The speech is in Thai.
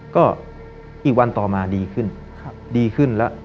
ก็อีกวันต่อมาดีขึ้นดีขึ้นแล้ว